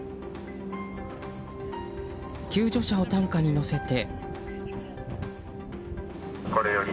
救助者を担架に乗せて。